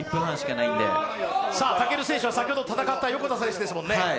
武尊選手は先ほど戦った選手ですもんね。